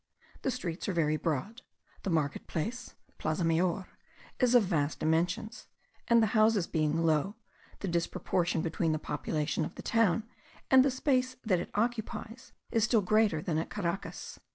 The streets are very broad, the market place, (plaza mayor,) is of vast dimensions; and, the houses being low, the disproportion between the population of the town, and the space that it occupies, is still greater than at Caracas.